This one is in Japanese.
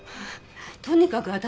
とにかく私。